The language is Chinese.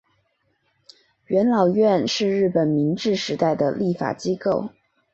元老院是日本明治时代的立法机构。